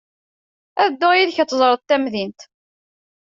Ad dduɣ yid-k ad teẓreḍ tamdint.